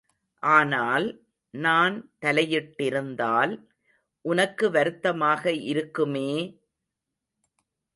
ஆனால், நான் தலையிட்டிருந்தால், உனக்கு வருத்தமாக இருக்குமே!